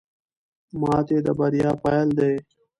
ماتې د بریا پیل دی.